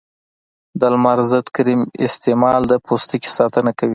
د لمر ضد کریم استعمال د پوستکي ساتنه کوي.